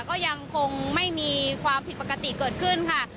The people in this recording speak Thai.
ก็ยังคงไม่มีความผิดปกติเกิดขึ้นค่ะ